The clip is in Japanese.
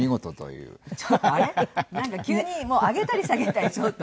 なんか急にもう上げたり下げたりちょっと。